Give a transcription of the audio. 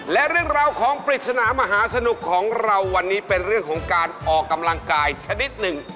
และเรื่องราวของปริศนามหาสนุกของเราวันนี้เป็นเรื่องของการออกกำลังกายชนิดหนึ่ง